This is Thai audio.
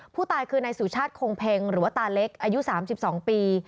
ผู้ตายคือนายสุชาติคงเพ็งหรือว่าตาเล็กอายุ๓๒ปี